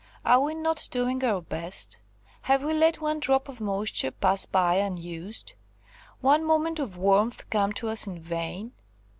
Are we not doing our best? Have we let one drop of moisture pass by unused, one moment of warmth come to us in vain?